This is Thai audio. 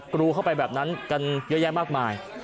กรูเข้าไปแบบนั้นกันเยอะแยะมากมาย